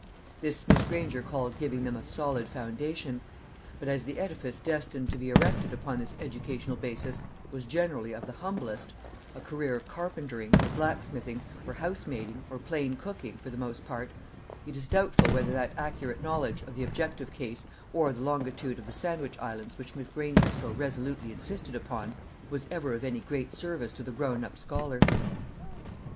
This Miss Granger called giving them a solid foundation; but as the edifice destined to be erected upon this educational basis was generally of the humblest a career of carpentering, or blacksmithing, or housemaiding, or plain cooking, for the most part it is doubtful whether that accurate knowledge of the objective case or the longitude of the Sandwich Islands which Miss Granger so resolutely insisted upon, was ever of any great service to the grown up scholar.